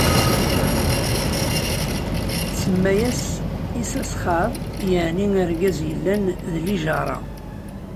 Tsemma-as Isasxaṛ, yeɛni argaz yellan d lijaṛa.